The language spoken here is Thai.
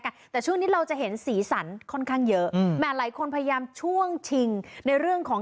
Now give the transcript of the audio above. กันแต่ช่วงนี้เราจะเห็นสีสันค่อนข้างเยอะอืมแหมหลายคนพยายามช่วงชิงในเรื่องของ